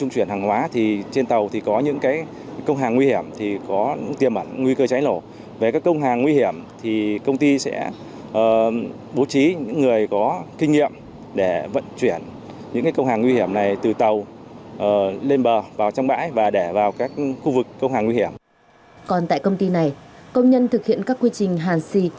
còn tại công ty này công nhân thực hiện các quy trình hàn xì